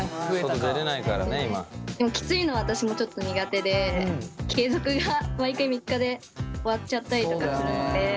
でもきついのは私もちょっと苦手で継続が毎回３日で終わっちゃったりとかするので。